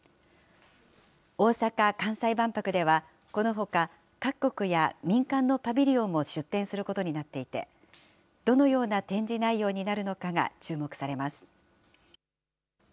大阪・関西万博ではこのほか、各国や民間のパビリオンも出展することになっていて、どのような展示内容になるのかが注目されます。